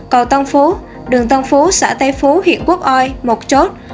cầu tân phú đường tân phú xã tây phú huyện quốc oi một chốt